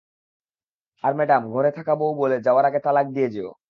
আর madam, ঘরে থাকা বউ বলে, যাওয়ার আগে তালাক দিয়ে যেও।